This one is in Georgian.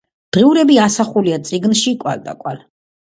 დღიურები ასახულია წიგნში „კვალდაკვალ“.